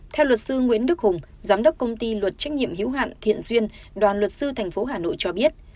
theo luật sư nguyễn đức hùng giám đốc công ty luật trách nhiệm hiếu hạn thiện duyên đoàn luật sư thành phố hà nội cho biết